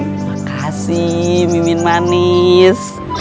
makasih mimin manis